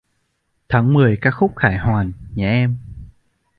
Tháng mười ca khúc khải hoàn... Nhé em!